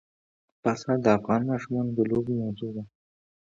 پسه د افغان ماشومانو د لوبو موضوع ده.